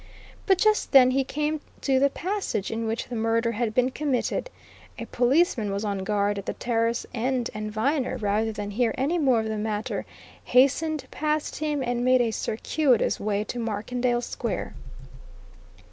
But just then he came to the passage in which the murder had been committed. A policeman was on guard at the terrace end and Viner, rather than hear any more of the matter, hastened past him and made a circuitous way to Markendale Square.